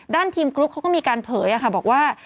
ด้านทีมกรุ๊ปเขาก็มีการเผยบอกว่า